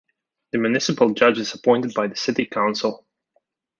The Municipal Judge is appointed by the City Council.